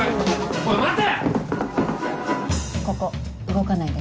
おい待て！